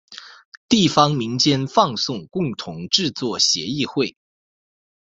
地方民间放送共同制作协议会。